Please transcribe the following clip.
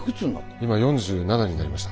今４７になりました。